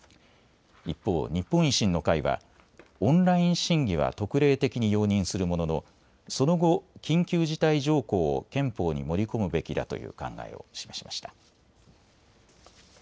一方、日本維新の会はオンライン審議は特例的に容認するもののその後、緊急事態条項を憲法に盛り込むべきだという考えを示しました。